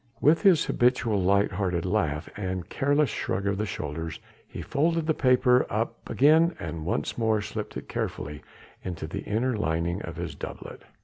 With his habitual light hearted laugh and careless shrug of the shoulders, he folded the paper up again and once more slipped it carefully into the inner lining of his doublet.